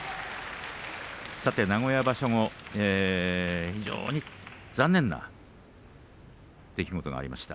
名古屋場所後非常に残念な出来事がありました。